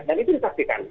dan itu disaksikan